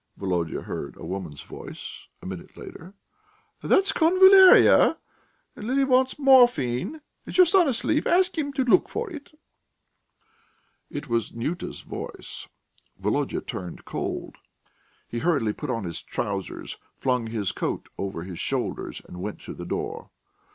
Volodya heard a woman's voice, a minute later. "That's convallaria, and Lili wants morphine. Is your son asleep? Ask him to look for it...." It was Nyuta's voice. Volodya turned cold. He hurriedly put on his trousers, flung his coat over his shoulders, and went to the door.